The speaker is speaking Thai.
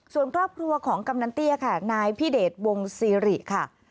ส่วนครอบครัวของกำนันเตี้ยค่ะนายพิเดชวงซีริค่ะ